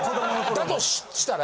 だとしたら。